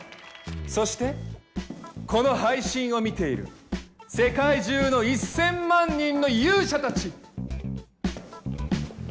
そしてこの配信を見ている世界中の１０００万人の勇者たち！